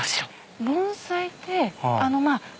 盆栽ってあのまあ